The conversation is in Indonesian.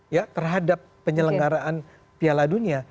ya terhadap penyelenggaraan piala dunia